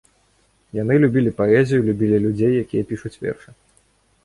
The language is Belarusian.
Яны любілі паэзію, любілі людзей, якія пішуць вершы.